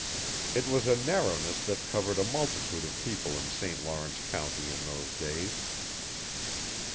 It was a narrowness that covered a multitude of people in St Lawrence county in those days.